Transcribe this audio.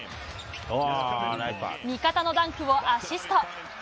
味方のダンクをアシスト。